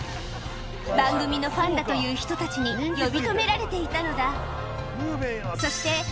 番組のファンだという人たちに呼び止められていたのだ。